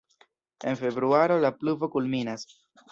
En februaro la pluvo kulminas.